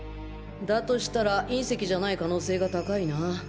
だとしたら隕石じゃない可能性が高いな。